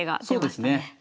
そうですね。